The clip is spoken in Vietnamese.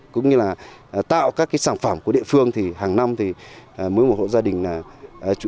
cũng như là tạo các cái sản phẩm của địa phương thì hàng năm thì mỗi một hộ gia đình là chủ